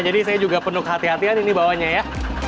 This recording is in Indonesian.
jadi saya juga penuh hati hatian ini bawanya ya